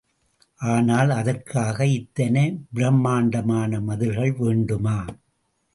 ஆனால் அதற்காக இத்தனை பிரம்மாண்டமான மதில்கள் வேண்டுமா?